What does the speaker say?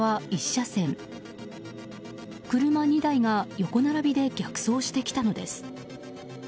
車２台が横並びで逆走してきたのです。